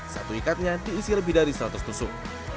satu ikatnya diisi lebih dari seratus tusuk